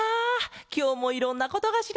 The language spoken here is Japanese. きょうもいろんなことがしれた。